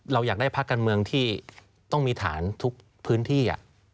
เราอยากได้พักการเมืองที่ต้องมีฐานทุกพื้นที่